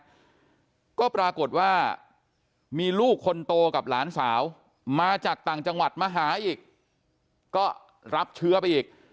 แล้วก็ปรากฏว่ามีลูกคนโตกับหลานสาวมาจากต่างจังหวัดมาหาอีกก็รับเชื้อไปอีก